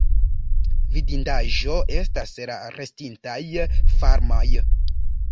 Vidindaĵo estas la restintaj farmoj.